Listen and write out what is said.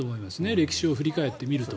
歴史を振り返ってみると。